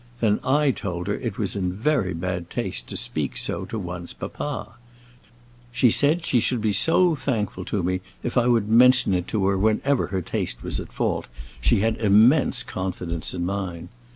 Then I told her it was in very bad taste to speak so to one's papa. She said she should be so thankful to me if I would mention it to her whenever her taste was at fault; she had immense confidence in mine.